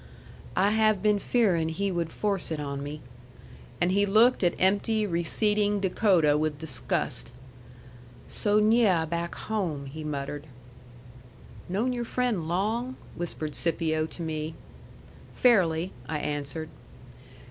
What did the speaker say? "I have been fearing he would force it on me." And he looked at empty, receding Dakota with disgust. "So nyeh back home!" he muttered. "Known your friend long?" whispered Scipio to me. "Fairly," I answered.